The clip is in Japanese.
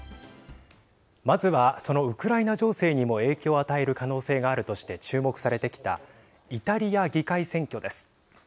まずはそのウクライナ情勢にも影響を与える可能性があるとして注目されてきたイタリア議会選挙です。